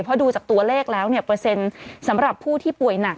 เพราะดูจากตัวเลขแล้วเปอร์เซ็นต์สำหรับผู้ที่ป่วยหนัก